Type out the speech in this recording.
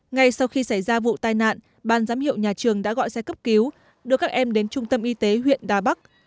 ngay sau khi xảy ra vụ tai nạn ban giám hiệu nhà trường đã gọi xe cấp cứu đưa các em đến trung tâm y tế huyện đà bắc